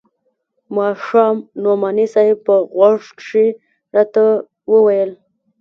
ماښام نعماني صاحب په غوږ کښې راته وويل.